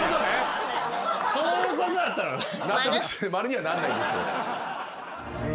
そういうことだったのね。